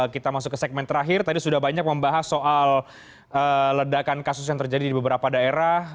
kita masuk ke segmen terakhir tadi sudah banyak membahas soal ledakan kasus yang terjadi di beberapa daerah